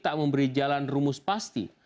tak memberi jalan rumus pasti